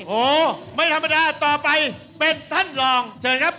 โอ้โหไม่ธรรมดาต่อไปเป็นท่านรองเชิญครับ